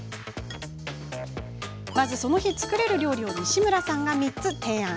まず、その日作れる料理を西村さんが３つ提案。